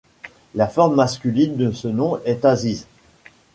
La forme masculine de ce nom est Aziz.